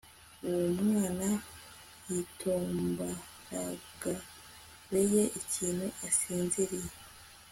Uwo mwana yitoMbaragabeye ikintu asinziriye